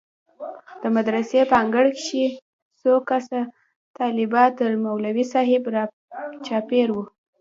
د مدرسې په انګړ کښې څو کسه طلبا تر مولوي صاحب راچاپېر وو.